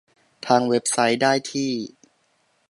ทางเว็บไซต์ได้ที่